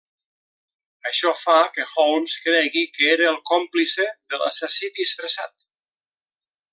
Això fa que Holmes cregui que era el còmplice de l’assassí disfressat.